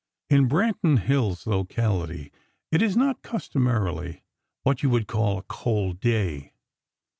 In Branton Hill's locality it is not, customarily, what you would call a cold day.